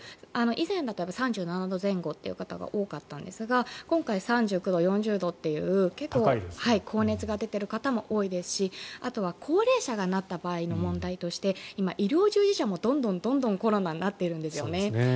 以前だと３７度前後という方が多かったんですが今回、３９度、４０度という結構高熱が出ている方も多いですしあとは高齢者がなった場合の問題として今、医療従事者もどんどんコロナになっているんですよね。